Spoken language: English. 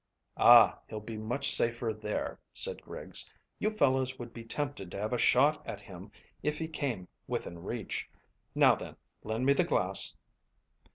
"Ah, he'll be much safer there," said Griggs. "You fellows would be tempted to have a shot at him if he came within reach. Now then, lend me the glass."